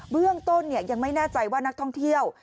เรื่องต้นยังไม่แน่ใจว่านักท่องเที่ยว